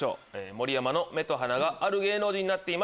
盛山の目と鼻がある芸能人になっています。